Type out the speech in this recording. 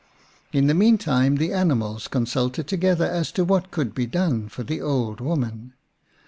In the meantime the animals consulted to gether as to what could be done for the old woman.